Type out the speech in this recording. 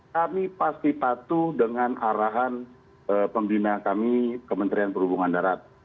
kami pasti patuh dengan arahan pembina kami kementerian perhubungan darat